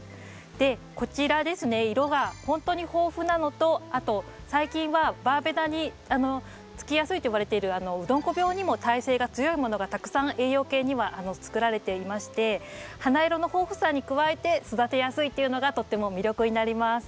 こちらですね色がほんとに豊富なのとあと最近はバーベナにつきやすいといわれているうどんこ病にも耐性が強いものがたくさん栄養系には作られていまして花色の豊富さに加えて育てやすいというのがとっても魅力になります。